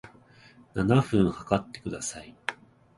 七分測ってください